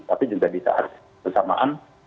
tapi juga bisa harus bersamaan